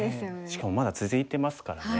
しかもまだ続いてますからね。